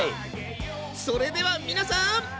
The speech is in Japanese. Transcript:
それでは皆さん。